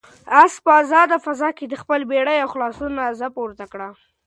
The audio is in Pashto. آس په آزاده فضا کې د خپل بري او خلاصون ناره پورته کړه.